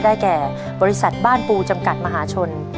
แก่บริษัทบ้านปูจำกัดมหาชน